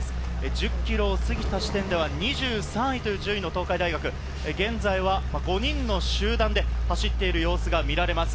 １０ｋｍを過ぎた時点では２３位というと東海大学、現在は５人の集団で走っている様子が見られます。